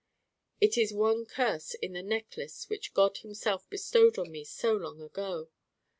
It is one curse in the Necklace which God himself bestowed on me so long ago.